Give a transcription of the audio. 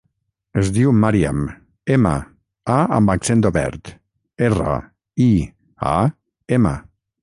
Es diu Màriam: ema, a amb accent obert, erra, i, a, ema.